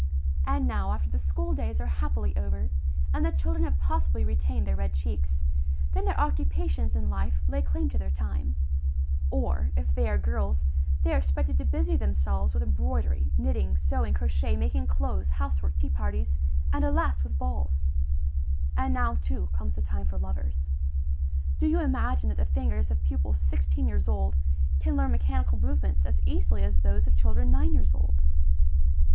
And now, after the school days are happily over, and the children have possibly retained their red cheeks, then their occupations in life lay claim to their time; or, if they are girls, they are expected to busy themselves with embroidery, knitting, sewing, crochet, making clothes, house work, tea parties, and alas! with balls; and now, too, comes the time for lovers. Do you imagine that the fingers of pupils sixteen years old can learn mechanical movements as easily as those of children nine years old?